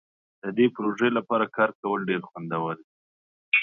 د دې پروژې لپاره کار کول ډیر خوندور دي.